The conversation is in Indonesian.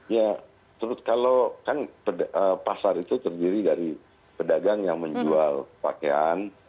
ya kalau kan pasar itu terdiri dari pedagang yang menjual pakaian